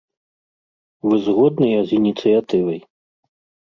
Вы згодныя з ініцыятывай?